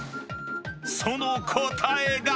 その答えが。